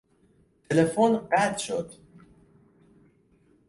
تلفن قطع شد.